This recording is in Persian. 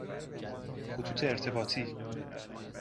خطوط ارتباطی